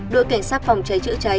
đội cảnh sát phòng cháy chữa cháy